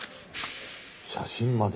写真まで。